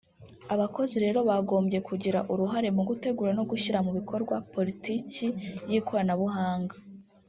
Abakozi rero bagombye kugira uruhare mu gutegura no gushyira mu bikorwa politiki y’ikoranabuhanga